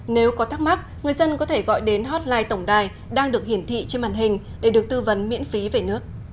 nếu có thắc mắc người dân có thể gọi đến hotline tổng đài đang được hiển thị trên màn hình để được tư vấn miễn phí về nước